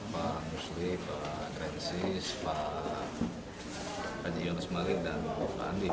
pak musli pak gensis pak haji yones malik dan pak andi